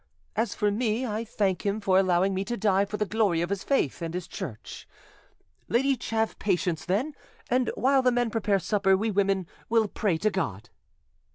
As for me, I thank Him for allowing me to die for the glory of His faith and His Church. Let each have patience, then, and while the men prepare supper, we women will pray to God."